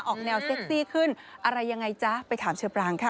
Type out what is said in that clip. ออกแนวเซ็กซี่ขึ้นอะไรยังไงจ๊ะไปถามเชอปรางค่ะ